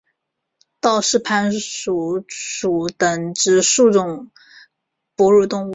道氏攀鼠属等之数种哺乳动物。